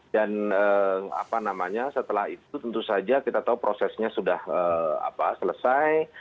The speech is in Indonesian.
dan setelah itu tentu saja kita tahu prosesnya sudah selesai